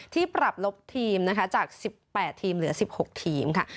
ที่ปรับลบทีมจาก๑๘ทีมเหลือ๑๖ทีมค่ะ